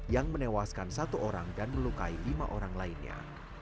yang menewaskan satu orang dan melukai lima orang lainnya